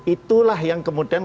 itulah yang kemudian